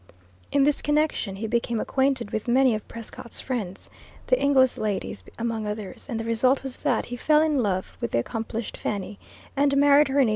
In this connection he became acquainted with many of Prescott's friends, the Inglis ladies among others, and the result was that he fell in love with the accomplished Fanny, and married her in 1838.